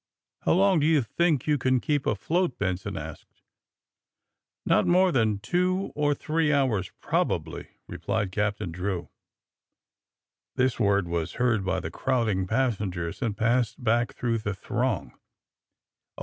*^How long do you think you can keep afloat ?'' Benson asked. *^Not more than two or three hours prob ably, '' replied Captain Drew. This word was heard by the crowding passen gers and passed back through the throng.